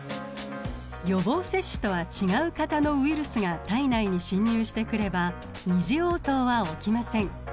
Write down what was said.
予防接種とは違う型のウイルスが体内に侵入してくれば二次応答は起きません。